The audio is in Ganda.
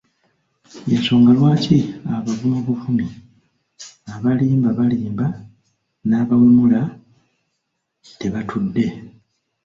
Y'ensonga lwaki abavuma bavumi, abalimba balimba n'abawemula tebatudde!